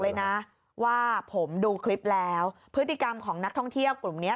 เลยนะว่าผมดูคลิปแล้วพฤติกรรมของนักท่องเที่ยวกลุ่มเนี้ย